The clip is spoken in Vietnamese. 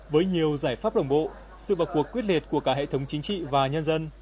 với nhiều giải pháp đồng bộ sự vào cuộc quyết liệt của cả hệ thống chính trị và nhân dân